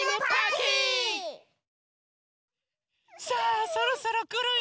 さあそろそろくるよ！